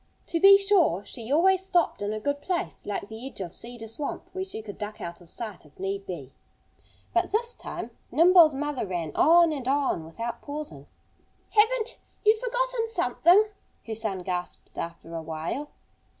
To be sure, she always stopped in a good place, like the edge of Cedar Swamp, where she could duck out of sight if need be. But this time Nimble's mother ran on and on without pausing. "Haven't you forgotten something?" her son gasped after a while.